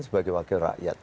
sebagai wakil rakyat